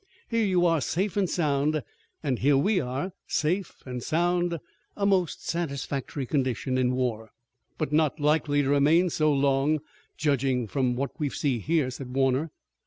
Here you are safe an' sound, an' here we are safe an' sound, a most satisfactory condition in war." "But not likely to remain so long, judging from what we see here," said Warner.